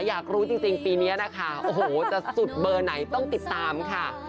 อยากรู้จริงปีนี้นะคะโอ้โหจะสุดเบอร์ไหนต้องติดตามค่ะ